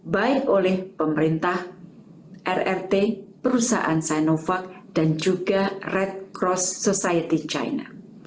baik oleh pemerintah rrt perusahaan sinovac dan juga red cross society china